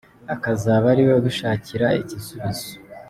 akazaba ariwe ubishakiri igisubizo’.